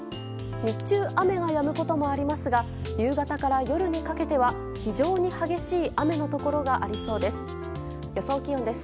日中、雨がやむこともありますが夕方から夜にかけては非常に激しい雨のところがありそうです。